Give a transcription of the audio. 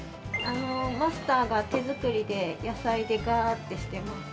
あのマスターが手作りで野菜でガーッてしてます